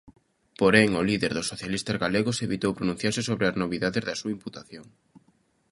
Porén, o líder dos socialistas galegos evitou pronunciarse sobre as novidades da súa imputación.